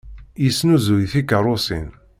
Yesnuzuy tikeṛṛusin.